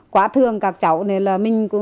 quá thương các cháu này